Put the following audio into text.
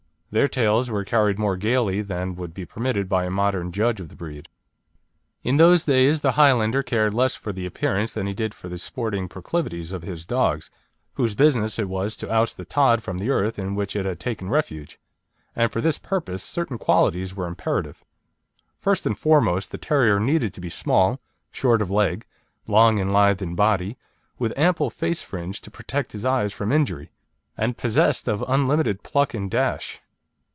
Their tails were carried more gaily than would be permitted by a modern judge of the breed. In those days the Highlander cared less for the appearance than he did for the sporting proclivities of his dogs, whose business it was to oust the tod from the earth in which it had taken refuge; and for this purpose certain qualities were imperative. First and foremost the terrier needed to be small, short of leg, long and lithe in body, with ample face fringe to protect his eyes from injury, and possessed of unlimited pluck and dash.